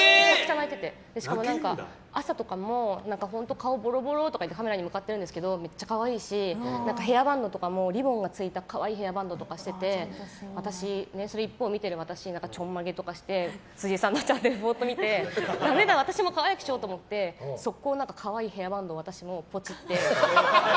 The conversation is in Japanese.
しかも、朝とかも本当に顔ボロボロとか言ってカメラに向かってるんですけどめっちゃ可愛いしヘアバンドとかもリボンがついた可愛いヘアバンドとかしてて一方、それを見てる私ちょんまげとかして辻さんのチャンネルぼーっと見ててダメだ私も可愛くしようって思って即行、可愛いヘアバンドを私もポチって。